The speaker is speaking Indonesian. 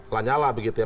lanyala begitu ya